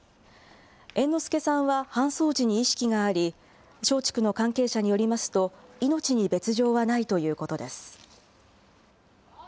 猿之助さんは搬送時に意識があり、松竹の関係者によりますと、命に別状はないということです。